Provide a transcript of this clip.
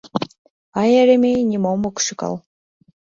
А Еремей нимом ок шӱкал.